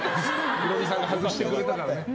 ヒロミさんが外してくれたから。